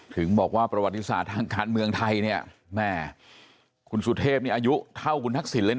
ถึงบอกว่าประวัติศาสตร์ทางการเมืองไทยคุณสุทธิพย์อายุเท่าคุณทักศิลป์เลยนะ